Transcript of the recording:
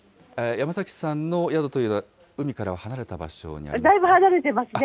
山崎さんの宿というのは海からはだいぶ離れていますね。